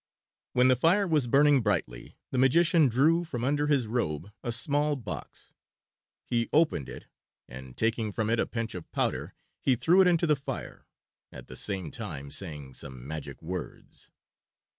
When the fire was burning brightly the magician drew from under his robe a small box. He opened it, and taking from it a pinch of powder he threw it into the fire, at the same time saying some magic words.